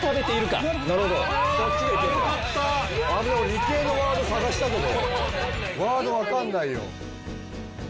理系のワード探したけどワードわかんないよ。